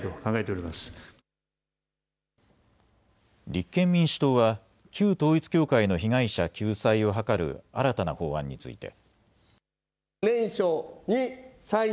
立憲民主党は旧統一教会の被害者救済を図る新たな法案について。